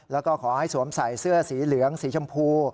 แล้วก็ขอให้สวมใส่เสื้อสีเหลืองสีชมพู